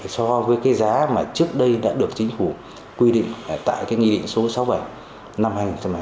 so với cái giá mà trước đây đã được chính phủ quy định tại cái nghị định số sáu mươi bảy năm hai nghìn một mươi bảy